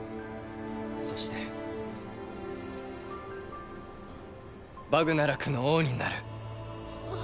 そしてバグナラクの王になる。